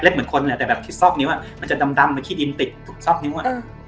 เล็บเหมือนคนแหละแต่แบบที่ซอกนิ้วอ่ะมันจะดำมันขี้ดินติดทุกซอกนิ้วอ่ะ